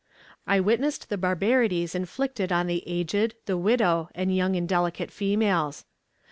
I witnessed the barbarities inflicted on the aged, the widow, and young and delicate females.